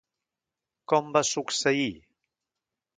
Com va succeir?